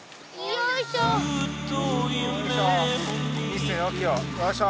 よいしょ。